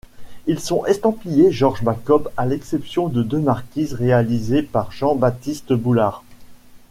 Ils sont estampillés Georges Jacob à l'exception de deux marquises réalisées par Jean-Baptiste Boulard.